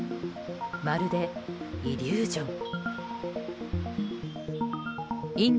まるでイリュージョン。